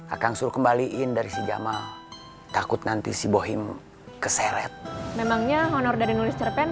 akan suruh kembaliin dari si jamal takut nanti si bohim keseret memangnya honor dari nulis terpenu